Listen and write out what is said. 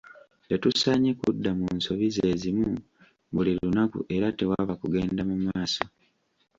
Tetusaanye kudda mu nsobi zeezimu buli lunaku era tewaba kugenda mu maaso.